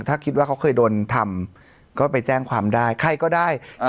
ถ้าคิดว่าเขาเคยโดนทำก็ไปแจ้งความได้ใครก็ได้